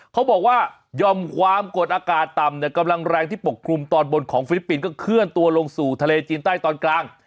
เขาบอกว่ายอมความกดอากาศต่ำเนี่ยกำลังแรงที่ปกคลุมตอนบนของฟิลิปปินส์ก็เคลื่อนตัวลงสู่ทะเลจีนใต้ตอนกลาง